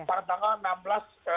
pada tanggal enam belas